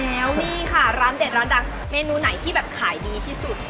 แล้วนี่ค่ะร้านเด็ดร้านดังเมนูไหนที่แบบขายดีที่สุด